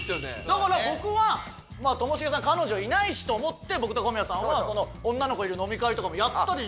だから僕はともしげさん彼女いないしと思って僕と小宮さんは女の子いる飲み会とかもやったり。